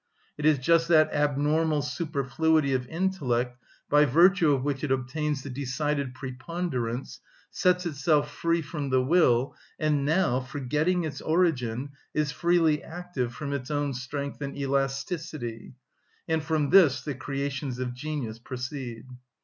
It is just that abnormal superfluity of intellect by virtue of which it obtains the decided preponderance, sets itself free from the will, and now, forgetting its origin, is freely active from its own strength and elasticity; and from this the creations of genius proceed.